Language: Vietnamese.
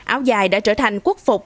áo dài đã trở thành quốc phục